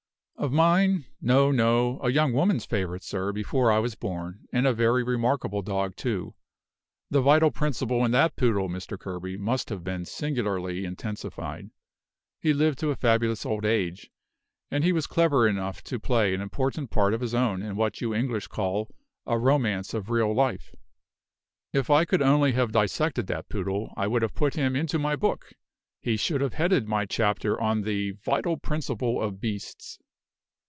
"Of mine? No, no; a young woman's favorite, sir, before I was born; and a very remarkable dog, too. The vital principle in that poodle, Mr. Kerby, must have been singularly intensified. He lived to a fabulous old age, and he was clever enough to play an important part of his own in what you English call a Romance of Real Life! If I could only have dissected that poodle, I would have put him into my book; he should have headed my chapter on the Vital Principle of Beasts."